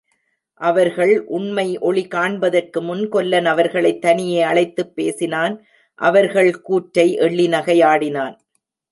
அவர்கள் உண்மை ஒளி காண்பதற்குமுன் கொல்லன் அவர்களைத் தனியே அழைத்துப் பேசினான் அவர்கள் கூற்றை எள்ளி நகையாடினான்.